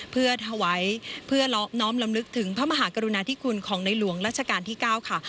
เพื่อถวายเพื่อน้อมลำลึกถึงพระมหากรุณาธิคุณของในหลวงราชการที่๙ค่ะ